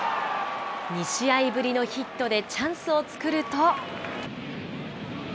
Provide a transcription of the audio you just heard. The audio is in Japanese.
２試合ぶりのヒットでチャンスを作ると。